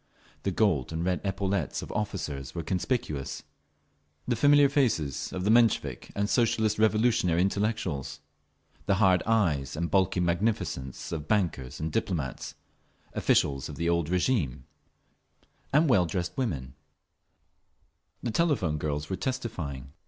The gold and red epaulettes of officers were conspicuous, the familiar faces of the Menshevik and Socialist Revolutionary intellectuals, the hard eyes and bulky magnificence of bankers and diplomats, officials of the old régime, and well dressed women…. The telephone girls were testifying.